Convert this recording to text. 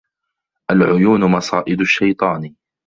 الْعُيُونُ مَصَائِدُ الشَّيْطَانِ